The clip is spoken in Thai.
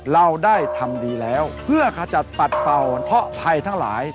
เราได้ทำดีแล้วเพื่อขจัดปัดเป่าเพราะภัยทั้งหลาย